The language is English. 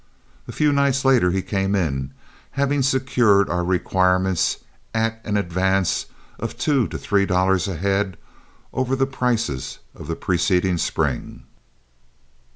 A few nights later he came in, having secured our requirements at an advance of two to three dollars a head over the prices of the preceding spring.